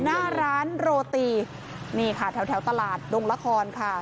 หน้าร้านโรตีนี่ค่ะแถวตลาดดงละครค่ะ